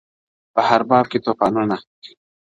• په هرباب کي توپانونه -